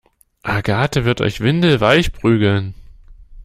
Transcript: Agathe wird euch windelweich prügeln!